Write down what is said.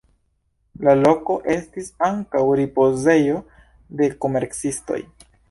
La loko estis ankaŭ ripozejo de komercistoj.